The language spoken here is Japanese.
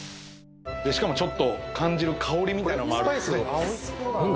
しかもちょっと感じる香りみたいなのもあるんですね